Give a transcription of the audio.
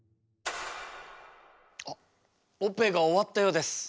あっオペが終わったようです。